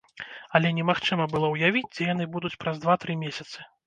Але немагчыма было ўявіць, дзе яны будуць праз два-тры месяцы.